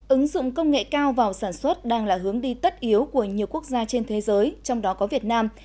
ứng dụng công nghệ cao vào sản xuất đang là hướng đi tất yếu của nhiều quốc gia trên thế giới trong đó có việt nam